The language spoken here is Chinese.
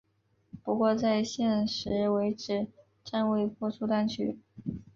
不过在现时为止暂未推出单曲。